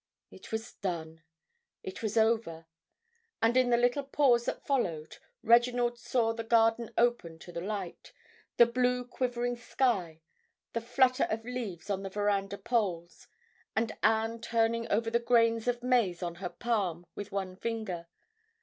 It was done. It was over. And in the little pause that followed Reginald saw the garden open to the light, the blue quivering sky, the flutter of leaves on the veranda poles, and Anne turning over the grains of maize on her palm with one finger.